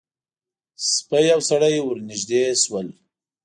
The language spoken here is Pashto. سپی او سړی ور نږدې شول.